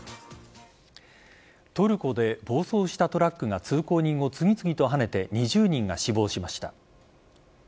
トルコで暴走したトラックが通行人を次々とはねて２０人が死亡しました。